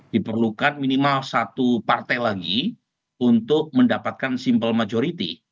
diperlukan minimal satu partai lagi untuk mendapatkan simple majority